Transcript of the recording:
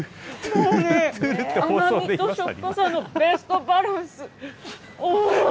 もうね、甘みとしょっぱさのベストバランス。